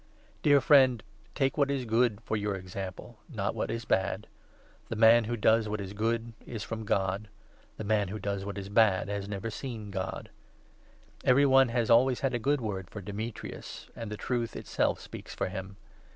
Dear friend, take what is good for your example, not what n is bad. The man who does what is good is from God ; the man who does what is bad has never seen God. Every one 1 2 has always had a good word for Demetrius, and the Truth itself speaks for him.